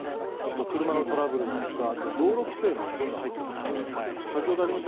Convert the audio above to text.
車のトラブルだとかあと、道路規制もどんどん入っていくので先ほどありました